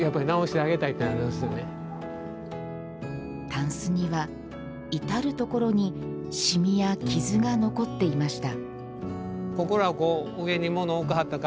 たんすには至る所に染みや傷が残っていました